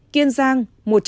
kiên giang một trăm sáu mươi